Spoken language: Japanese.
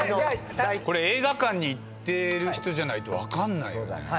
映画館に行ってる人じゃないと分かんないよね。